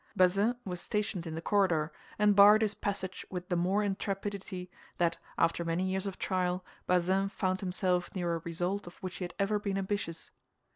Bazin was stationed in the corridor, and barred his passage with the more intrepidity that, after many years of trial, Bazin found himself near a result of which he had ever been ambitious.